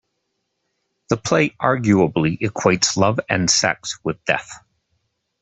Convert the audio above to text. The play arguably equates love and sex with death.